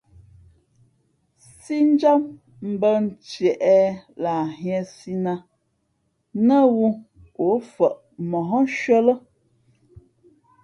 Sīnjǎm mbᾱ ntieʼ lah nhīēsī nát, nά wū ǒ fα̌ʼ mǒhnshʉ̄ᾱ lά.